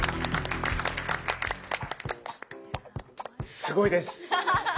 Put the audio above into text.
すごいです。